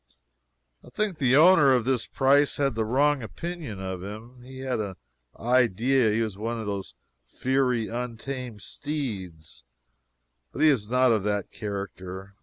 I think the owner of this prize had a wrong opinion about him. He had an idea that he was one of those fiery, untamed steeds, but he is not of that character.